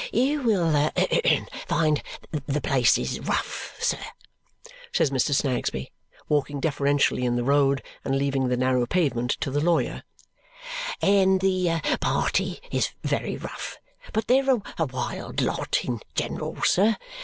"You will find that the place is rough, sir," says Mr. Snagsby, walking deferentially in the road and leaving the narrow pavement to the lawyer; "and the party is very rough. But they're a wild lot in general, sir.